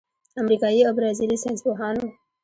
امریکايي او برازیلي ساینسپوهانو